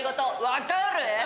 分かるぅ⁉